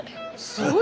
すごい。